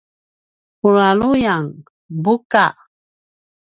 puljaljuyan: buka